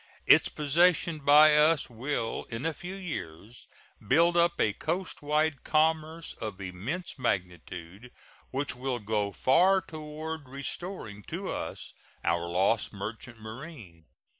Its possession by us will in a few years build up a coastwise commerce of immense magnitude, which will go far toward restoring to us our lost merchant marine.